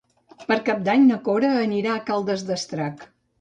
Per Cap d'Any na Cora anirà a Caldes d'Estrac.